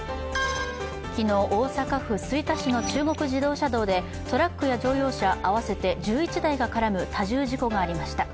昨日、大阪府吹田市の中国自動車道でトラックや乗用車、合わせて１１台が絡む多重事故がありました。